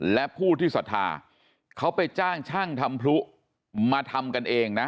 และผู้ที่ศรัทธาเขาไปจ้างช่างทำพลุมาทำกันเองนะ